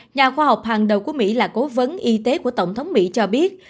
nhà khoa học hàng đầu của mỹ là cố vấn y tế của tổng thống mỹ cho biết